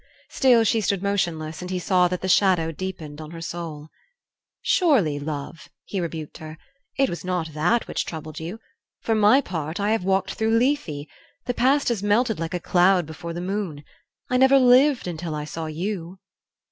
Still she stood motionless, and he saw that the shadow deepened on her soul. "Surely, love," he rebuked her, "it was not that which troubled you? For my part I have walked through Lethe. The past has melted like a cloud before the moon. I never lived until I saw you."